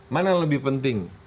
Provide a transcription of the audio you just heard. mana yang lebih penting